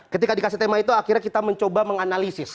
ketika dikasih tema itu akhirnya kita mencoba menganalisis